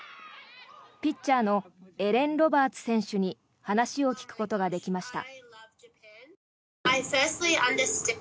ピッチャーのエレン・ロバーツ選手に話を聞くことができました。